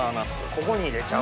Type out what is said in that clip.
ここに入れちゃう。